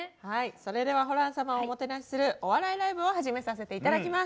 それではホラン様をおもてなしするお笑いライブを始めさせて頂きます。